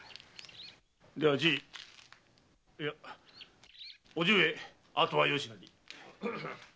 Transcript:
ではじいいやおじ上あとはよしなに。